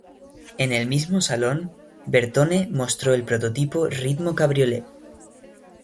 En el mismo salón, Bertone mostró el prototipo Ritmo Cabriolet.